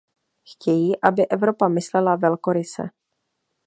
Chtějí, aby Evropa myslela velkoryse.